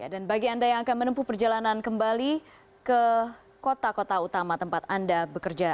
dan bagi anda yang akan menempuh perjalanan kembali ke kota kota utama tempat anda bekerja